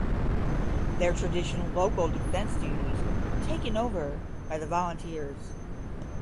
Their traditional local defence duties were taken over by the Volunteers.